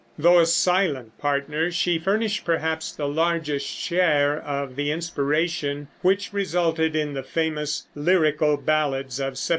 Though a silent partner, she furnished perhaps the largest share of the inspiration which resulted in the famous Lyrical Ballads of 1798.